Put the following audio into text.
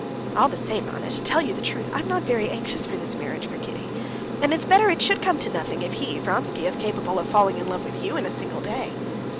"All the same, Anna, to tell you the truth, I'm not very anxious for this marriage for Kitty. And it's better it should come to nothing, if he, Vronsky, is capable of falling in love with you in a single day."